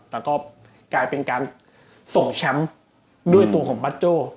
แต่ก็กลายเป็นการส่งแชมป์ด้วยตัวของบัตโจ้